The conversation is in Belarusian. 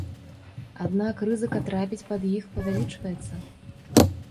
Аднак рызыка трапіць пад іх павялічваецца.